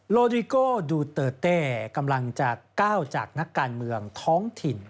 โลดิโก้ดูเตอร์เต้กำลังจะก้าวจากนักการเมืองท้องถิ่น